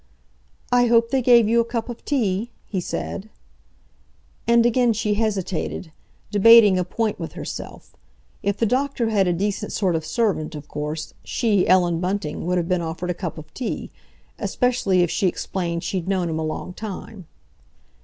"I hope they gave you a cup of tea?" he said. And again she hesitated, debating a point with herself: if the doctor had a decent sort of servant, of course, she, Ellen Bunting, would have been offered a cup of tea, especially if she explained she'd known him a long time.